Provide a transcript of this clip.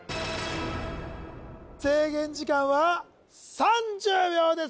制限時間は３０秒です